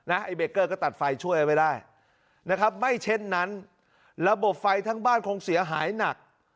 ไอ้เบเกอร์ก็ตัดไฟช่วยเอาไว้ได้นะครับไม่เช่นนั้นระบบไฟทั้งบ้านคงเสียหายหนัก